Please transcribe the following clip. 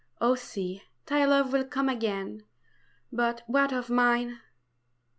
Oh sea, thy love will come again, but what of mine?